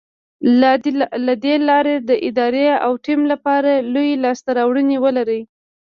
له دې لارې د ادارې او ټيم لپاره لویې لاسته راوړنې ولرئ.